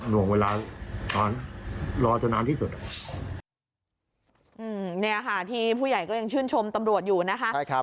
นี่ค่ะที่ผู้ใหญ่ก็ยังชื่นชมตำรวจอยู่นะคะ